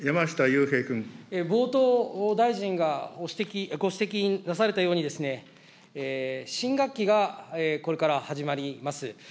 冒頭、大臣がご指摘なされたように、新学期がこれから始まります。